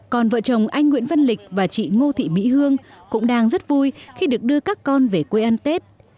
còn vợ chồng anh nguyễn văn lịch và chị ngô thị mỹ hương cũng đang rất vui khi được đưa các con về quê ăn tết